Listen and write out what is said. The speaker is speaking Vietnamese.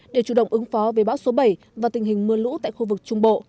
để chủ động ứng phó về bão số bảy và tình hình mưa lũ tại khu vực trung bộ